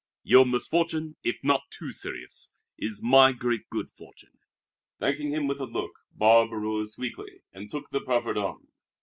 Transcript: Your misfortune if not too serious is my great good fortune!" Thanking him with a look, Barbe arose weakly and took the proffered arm.